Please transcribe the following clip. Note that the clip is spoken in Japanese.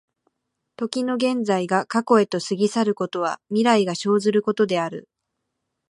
時の現在が過去へと過ぎ去ることは、未来が生ずることである。